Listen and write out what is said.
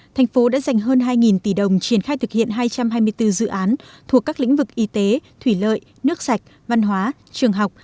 thành phố đã dành hơn hai tỷ đồng triển khai thực hiện hai trăm hai mươi bốn dự án thuộc các lĩnh vực y tế thủy lợi nước sạch văn hóa trường học